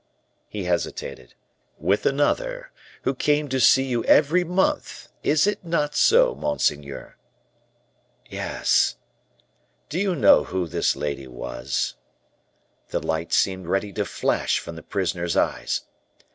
He hesitated. "With another, who came to see you every month is it not so, monseigneur?" "Yes." "Do you know who this lady was?" The light seemed ready to flash from the prisoner's eyes.